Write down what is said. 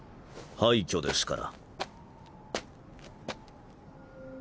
廃虚ですから。